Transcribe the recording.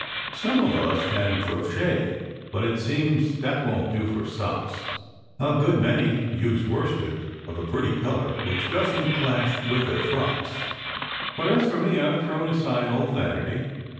Some of us can crochet, but it seems that won t do for socks. A good many use worsted of a pretty colour which doesn t clash with their frocks; but as for me, I ve thrown aside all vanity.